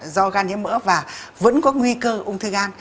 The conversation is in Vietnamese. do gan nhiễm mỡ và vẫn có nguy cơ ung thư gan